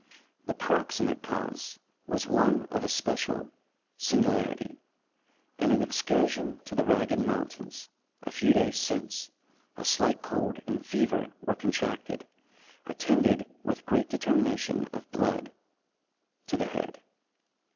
The proximate cause was one of especial singularity. In an excursion to the Ragged Mountains, a few days since, a slight cold and fever were contracted, attended with great determination of blood to the head.